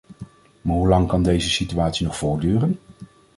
Maar hoe lang kan deze situatie nog voortduren?